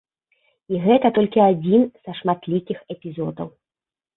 І гэта толькі адзін са шматлікіх эпізодаў.